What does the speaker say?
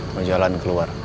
mau jalan keluar